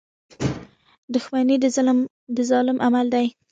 • دښمني د ظالم عمل دی.